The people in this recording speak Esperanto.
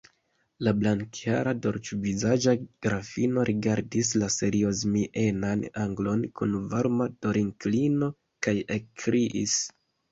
La blankhara, dolĉvizaĝa grafino rigardis la seriozmienan anglon kun varma korinklino kaj ekkriis: